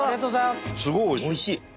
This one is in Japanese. すごいおいしい。